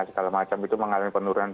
segala macam itu mengalami penurunan